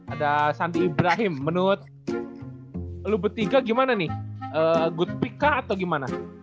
ada shandy ibrahim menurut lu bertiga gimana nih good pick kah atau gimana